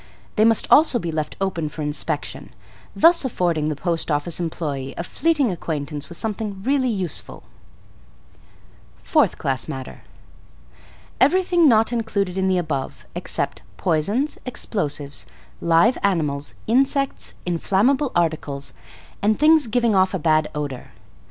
They must also be left open for inspection, thus affording the post office employee a fleeting acquaintance with something really useful. =Fourth class Matter.= Everything not included in the above, except poisons, explosives, live animals, insects, inflammable articles, and things giving off a bad odor.